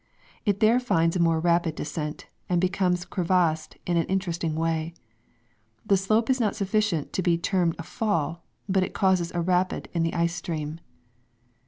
• It there finds a more rapid descent, and becomes crevassed in an interesting way. The slope is not sufficient to be termed a fall, but causes a rapid in the ice stream.